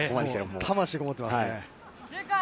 ◆魂こもってますね。